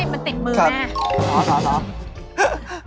มันติดมือแม่